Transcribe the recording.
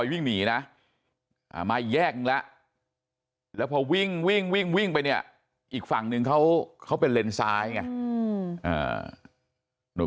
วิ่งหนีนะมาแยกหนึ่งแล้วแล้วพอวิ่งวิ่งวิ่งไปเนี่ยอีกฝั่งนึงเขาเป็นเลนซ้ายไง